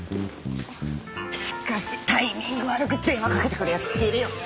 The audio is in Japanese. しかしタイミング悪く電話かけてくる奴っているよね。